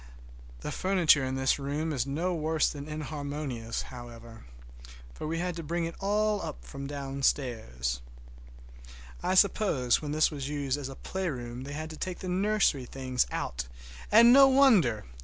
The furniture in this room is no worse than inharmonious, however, for we had to bring it all from downstairs. I suppose when this was used as a playroom they had to take the nursery things out, and no wonder!